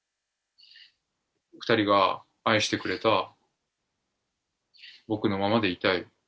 ２人が愛してくれた僕のままでいたい。